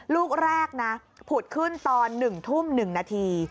ลูกแรกนะผุดขึ้นตอน๑ทุ่ม๑นาที